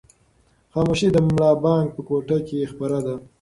خاموشي د ملا بانګ په کوټه کې خپره ده.